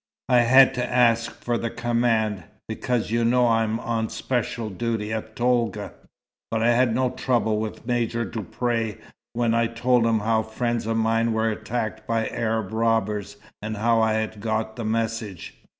I had to ask for the command, because you know I'm on special duty at Tolga. But I had no trouble with Major Duprez when I told him how friends of mine were attacked by Arab robbers, and how I had got the message."